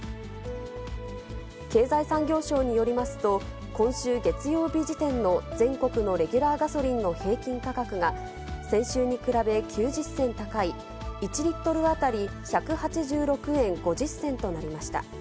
経済産業省によりますと、今週月曜日時点の全国のレギュラーガソリンの平均価格が、先週に比べ９０銭高い、１リットル当たり１８６円５０銭となりました。